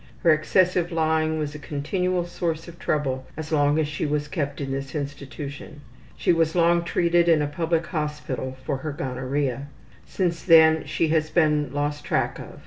Her excessive lying was a continual source of trouble as long as she was kept in this institution. She was long treated in a public hospital for her gonorrhea. Since then she has been lost track of.